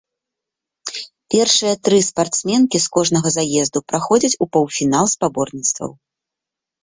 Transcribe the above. Першыя тры спартсменкі з кожнага заезду праходзяць у паўфінал спаборніцтваў.